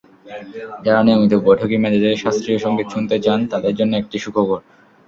যারা নিয়মিত বৈঠকি মেজাজে শাস্ত্রীয় সংগীত শুনতে চান, তাঁদের জন্য একটি সুখবর।